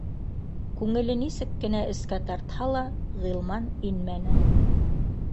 Күңеле нисек кенә эскә тартһа ла, Ғилман инмәне